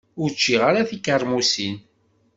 Ur ččiɣ ara tikermusin.